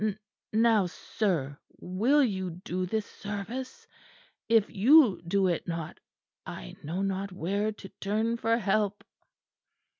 N now, sir, will you do this service? If you do it not, I know not where to turn for help."